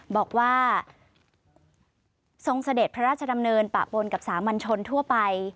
บอกว่าทรงเสด็จพระราชดำเนินปะปนกับสามัญชนทั่วไป